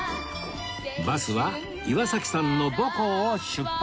バスは岩崎さんの母校を出発